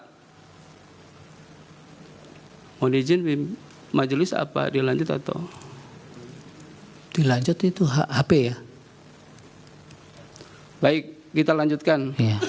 hai mau diijinkan majelis apa dilanjut atau hai dilanjut itu hp ya baik kita lanjutkan